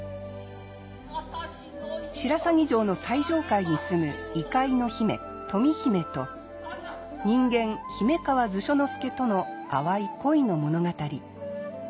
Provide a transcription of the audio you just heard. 白鷺城の最上階にすむ異界の姫富姫と人間姫川図書之助との淡い恋の物語。